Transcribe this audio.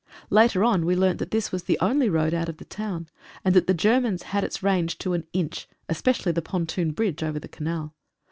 Later on we learnt that this was the only road out of the town, and that the Germans had its range to an inch, especially the pontoon bridge over the canal.